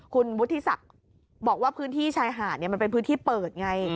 คุณวุฒิศักดิ์บอกว่าพื้นที่ชายหาดมันเป็นพื้นที่เปิดไง